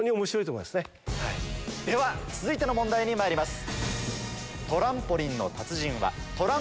では続いての問題にまいります。